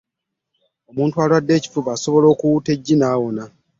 omuntu alwadde ekifuba asobola okuwuuta eggi ebbisi n'awona.